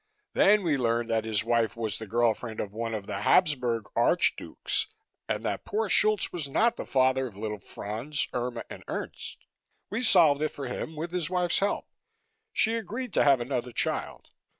Then we learned that his wife was the girl friend of one of the Habsburg Archdukes and that poor Schultz was not the father of little Franz, Irma and Ernst. We solved it for him with his wife's help. She agreed to have another child.